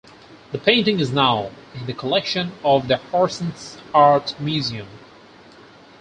The painting is now in the collection of the Horsens Art Museum.